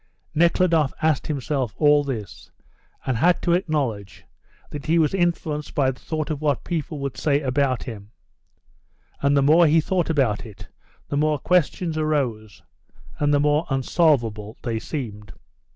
Nekhludoff asked himself all this, and had to acknowledge that he was influenced by the thought of what people would say about him. And the more he thought about it the more questions arose, and the more unsolvable they seemed.